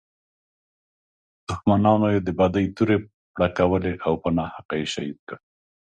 دښمنانو یې د بدۍ تورې پړکولې او په ناحقه یې شهید کړ.